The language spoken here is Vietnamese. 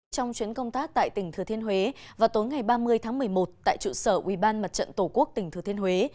trong chuyến công tác tại tỉnh thừa thiên huế vào tối ngày ba mươi tháng một mươi một tại trụ sở quy ban mặt trận tổ quốc tỉnh thừa thiên huế